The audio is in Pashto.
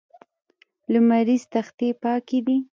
لمریزې تختې پاکې دي.